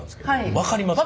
分かりますか？